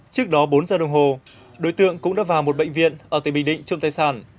trước đó bốn giờ đồng hồ đối tượng cũng đã vào một bệnh viện ở tỉnh bình định trộm tài sản